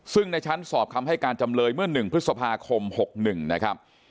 ซึ่งในชั้นสอบคำให้การจำเลยเมื่อ๑พฤษภาคม๖๑นะครับ